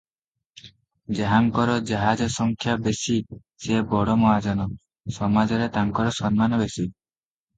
ଯାହାଙ୍କର ଜାହାଜ ସଂଖ୍ୟା ବେଶି, ସେ ବଡ଼ ମହାଜନ, ସମାଜରେ ତାଙ୍କର ସମ୍ମାନ ବେଶି ।